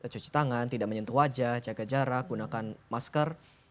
cuci tangan tidak menyentuh wajah jaga jarak gunakan masker